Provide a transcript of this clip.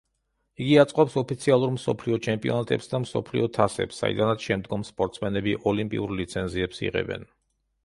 იგი აწყობს ოფიციალურ მსოფლიო ჩემპიონატებს და მსოფლიო თასებს, საიდანაც შემდგომ სპორტსმენები ოლიმპიურ ლიცენზიებს იღებენ.